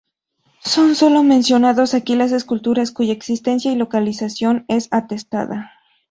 Son sólo mencionadas aquí las esculturas cuya existencia y localización es atestada.